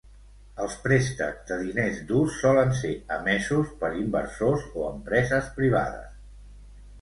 Els préstecs de diners durs solen ser emesos per inversors o empreses privades.